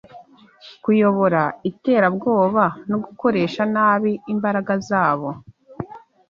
kuyobora iterabwoba no gukoresha nabi imbaraga zabo